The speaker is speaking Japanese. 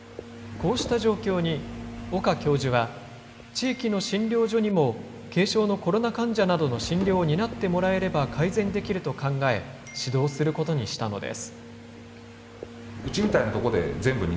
こうした状況に、岡教授は、地域の診療所にも軽症のコロナ患者などの診療を担ってもらえれば改善できると考え、指導することにしたのです。